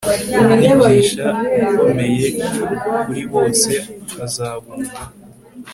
umwigisha ukomeye kuri bose! azabumba